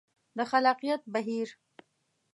د خلاقیت بهیر